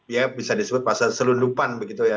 ya bisa disebut pasal selundupan begitu ya